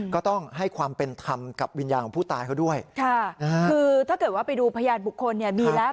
ค่ะคือถ้าเกิดว่าไปดูพยานบุคคลมีแล้ว